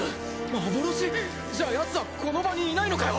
幻？じゃあヤツはこの場にいないのかよ！